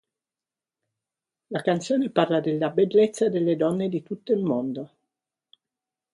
La canzone parla della bellezza delle donne di tutto il mondo.